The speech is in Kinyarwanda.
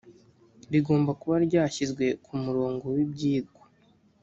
rigomba kuba ryashyizwe ku murongo w ibyirwa